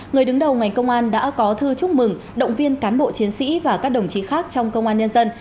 người đứng đầu ngành công an đã có thư chúc mừng động viên cán bộ chiến sĩ và các đồng chí khác trong công an nhân dân